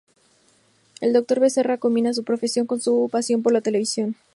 El Dr. Becerra combina su profesión con su pasión por la Televisión.